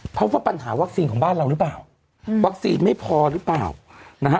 เพราะว่าปัญหาวัคซีนของบ้านเราหรือเปล่าวัคซีนไม่พอหรือเปล่านะฮะ